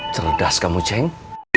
cerdas kamu ceng